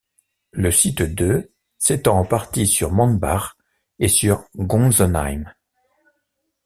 Le site de s'étend en partie sur Mombach et sur Gonsenheim.